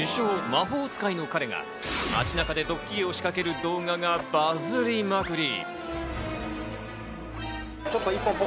魔法使いの彼が街中でドッキリを仕掛ける動画がバズりまくり。